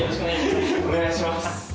お願いします。